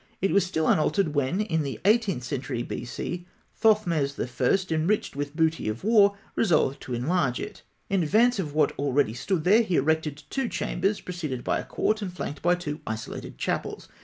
It was still unaltered when, in the eighteenth century B.C., Thothmes I., enriched with booty of war, resolved to enlarge it. In advance of what already stood there, he erected two chambers, preceded by a court and flanked by two isolated chapels.